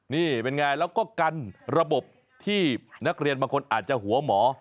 นี่เป็นไงแล้วก็กันระบบที่นักเรียนบางคนอาจจะหัวหมอ